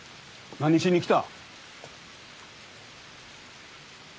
何しに来た？